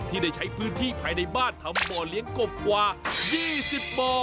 ได้ใช้พื้นที่ภายในบ้านทำบ่อเลี้ยงกบกว่า๒๐บ่อ